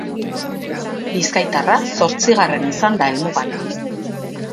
Bizkaitarra zortzigarren izan da helmugan.